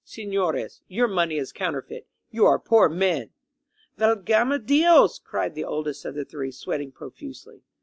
Sefiores, your money is counterfeit. You are poor men !" Valgame diosl cried the oldest of the three, sweat ing profusely.